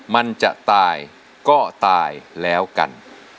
มันจะตายก็ตายแล้วกัน